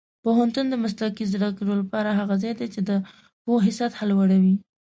پوهنتون د مسلکي زده کړو لپاره هغه ځای دی چې د پوهې سطح لوړوي.